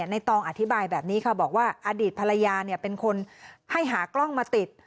ตองอธิบายแบบนี้ค่ะบอกว่าอดีตภรรยาเป็นคนให้หากล้องมาติด